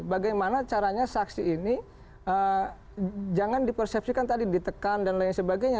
bagaimana caranya saksi ini jangan dipersepsikan tadi ditekan dan lain sebagainya